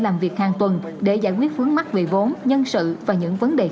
làm được hệ thống